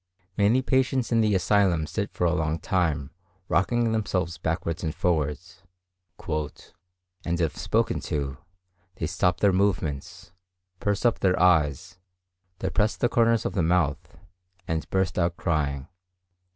Many patients in the asylum sit for a long time rocking themselves backwards and forwards; "and if spoken to, they stop their movements, purse up their eyes, depress the corners of the mouth, and burst out crying."